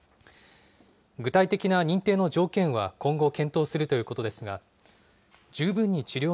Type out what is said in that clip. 具体的な認定の条件は今後検討するということですが、十分に治療